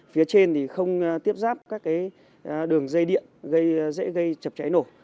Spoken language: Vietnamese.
phía trên thì không tiếp ráp các đường dây điện dễ gây chập cháy nổ